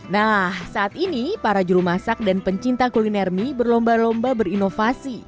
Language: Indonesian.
nah saat ini para juru masak dan pencinta kuliner mie berlomba lomba berinovasi